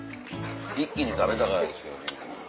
一気に食べたからですよ。